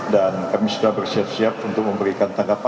dan kami sudah bersiap siap untuk memberikan tanggapan